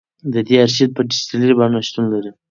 د دې ارشیف په ډیجیټلي بڼه شتون لري.